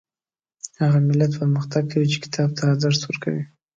هغه ملت پرمختګ کوي چې کتاب ته ارزښت ورکوي